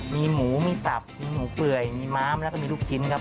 มีหมูมีตับมีหมูเปื่อยมีม้ามแล้วก็มีลูกชิ้นครับ